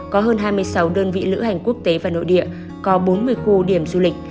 có hơn hai mươi sáu đơn vị lữ hành quốc tế và nội địa có bốn mươi khu điểm du lịch